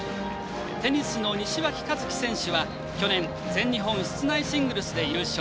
テニスの西脇一樹選手は、去年全日本室内シングルスで優勝。